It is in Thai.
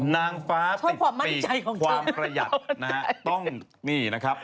นางฟ้าติดติดความประหยัด